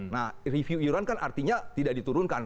nah review iuran kan artinya tidak diturunkan